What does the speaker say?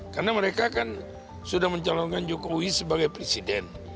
karena mereka kan sudah menjalankan jokowi sebagai presiden